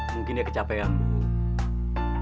mungkin dia kecapean bu